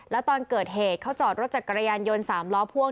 แล้วตอนเกิดเหตุเขาจอดรถจักรยานยนต์๓ล้อพ่วง